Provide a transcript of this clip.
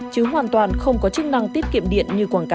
chứ hoàn toàn không có chức năng tiết kiệm điện